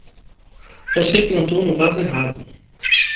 Você plantou no vaso errado!